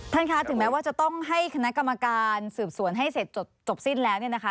ท่านคะถึงแม้ว่าจะต้องให้คณะกรรมการสืบสวนให้เสร็จจบสิ้นแล้วเนี่ยนะคะ